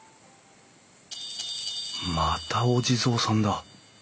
またお地蔵さんだ。